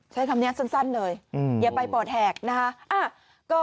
ใช้คำนี้สั้นเลยอย่าไปปอดแหกนะคะ